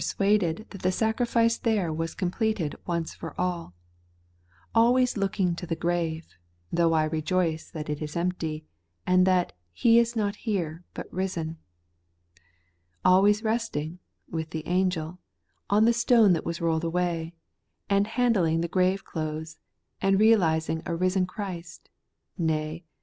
115 suaded that the sacrifice there was completed once for all ; always looking into the grave, though I rejoice that it is empty, and that ' He is not here, but is risen;' always resting (with the angel) ,on the stone that was rolled away, and handling the grave clothes, and realizing a risen Christ, nay.